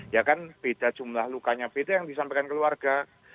ya kan beda jumlah lukanya beda yang disampaikan keluarga